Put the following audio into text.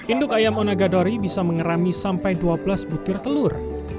induk ayam onagadori bisa mengerami sampai dua belas butir telur